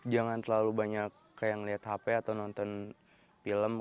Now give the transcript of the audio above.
jangan terlalu banyak kayak ngeliat hp atau nonton film